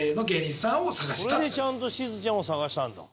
それでちゃんとしずちゃんを探したんだ。